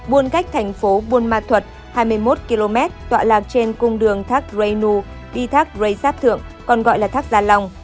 buôn cách thành phố buôn ma thuật hai mươi một km tọa lạc trên cung đường thác reynu đi thác dreysab thượng còn gọi là thác gia long